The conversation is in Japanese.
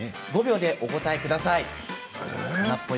５秒でお答えください。